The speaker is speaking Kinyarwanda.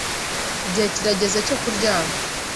Igihe kirageze cyo kuryama.